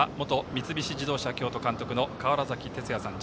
三菱自動車京都監督の川原崎哲也さん。